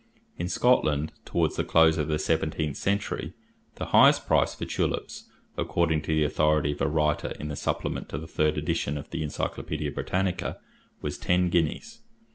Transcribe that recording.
In Scotland, towards the close of the seventeenth century, the highest price for tulips, according to the authority of a writer in the supplement to the third edition of the Encyclopedia Britannica, was ten guineas.